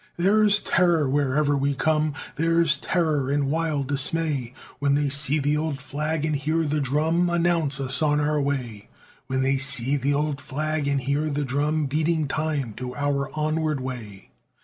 There is terror wherever we come, There is terror and wild dismay When they see the Old Flag and hear the drum Announce us on our way; When they see the Old Flag and hear the drum Beating time to our onward way.